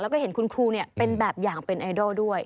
แล้วก็เห็นคุณครูเป็นแบบอย่างเป็นไอดอลด้วย